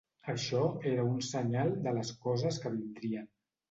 Això era un senyal de les coses que vindrien.